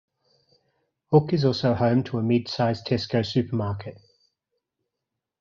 Hook is also home to a mid-sized Tesco supermarket.